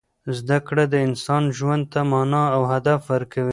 زده کړه د انسان ژوند ته مانا او هدف ورکوي.